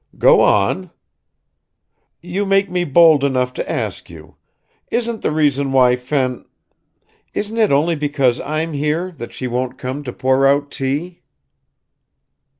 "Go on." "You make me bold enough to ask you, isn't the reason why Fen ... isn't it only because I'm here that she won't come to pour out tea?"